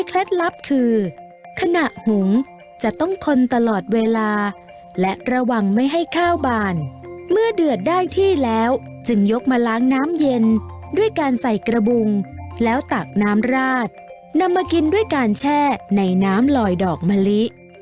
ลับคือขณะหุงจะต้องคนตลอดเวลาและระวังไม่ให้ข้าวบานเมื่อเดือดได้ที่แล้วจึงยกมาล้างน้ำเย็นด้วยการใส่กระบุงแล้วตักน้ำราดนำมากินด้วยการแช่ในน้ำลอยดอกมะลิ